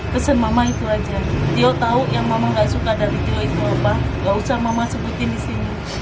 kesen mama itu aja yo tahu yang mama gak suka dari cuy coba nggak usah mama sebutin di sini